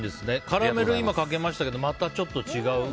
カラメル、今かけましたけどまた、ちょっと違う。